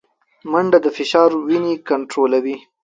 منډه د فشار وینې کنټرولوي